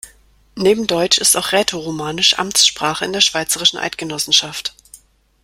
Neben Deutsch ist auch Rätoromanisch Amtssprache in der Schweizerischen Eidgenossenschaft.